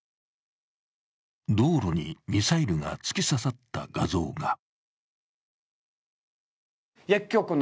道路にミサイルが突き刺さった画像が。